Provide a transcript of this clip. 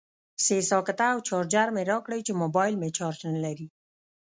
سه ساکټه او چارجر مې راکړئ چې موبایل مې چارج نلري